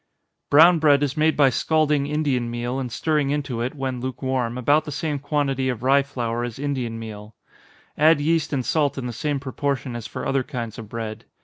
_ Brown bread is made by scalding Indian meal, and stirring into it, when lukewarm, about the same quantity of rye flour as Indian meal add yeast and salt in the same proportion as for other kinds of bread.